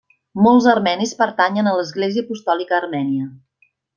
Molts armenis pertanyen a l'Església apostòlica armènia.